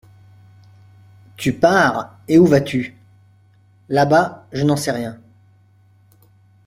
Tu pars, et où vas-tu ? Là-bas, je n'en sais rien.